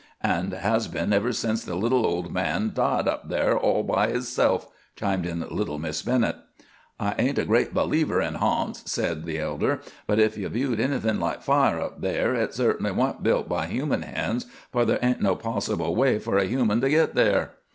"And has been ever since the little old man died up thar all by hisself," chimed in little Miss Bennett. "I ain't a great believer in harnts," said the elder, "but if you viewed anything like fire up thar, hit certainly wa'n't built by human hands, for there ain't no possible way for a human to git there."